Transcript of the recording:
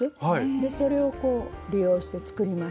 それをこう利用して作りました。